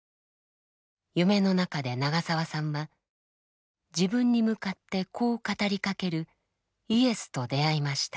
夢の中で長澤さんは自分に向かってこう語りかけるイエスと出会いました。